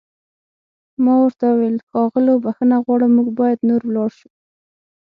ما ورته وویل: ښاغلو، بښنه غواړم موږ باید نور ولاړ شو.